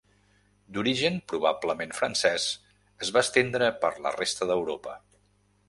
D'origen probablement francés, es va estendre per la resta d'Europa.